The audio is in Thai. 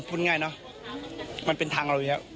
พูดง่ายเนอะมันเป็นทางเราเยอะ